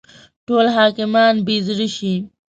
ټول حاکمان بې زړه شي.